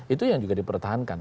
itu yang juga dipertahankan